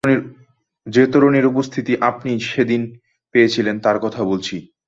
যে তরুণীর উপস্থিতি আপনি সেদিন পেয়েছিলেন, তার কথা বলছি।